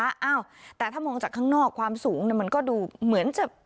อ้าวแต่ถ้ามองจากข้างนอกความสูงเนี่ยมันก็ดูเหมือนจะ